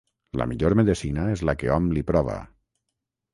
La millor medecina és la que hom li prova.